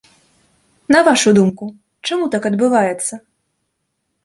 На вашую думку, чаму так адбываецца?